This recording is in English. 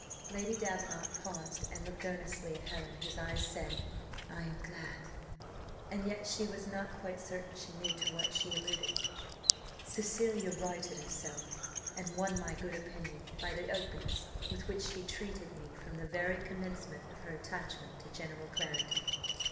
Lady Davenant paused and looked earnestly at Helen, whose eyes said, "I am glad," and yet she was not quite certain she knew to what she alluded. "Cecilia righted herself, and won my good opinion, by the openness with which she treated me from the very commencement of her attachment to General Clarendon."